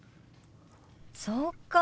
そうか。